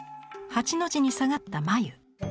八の字に下がった眉。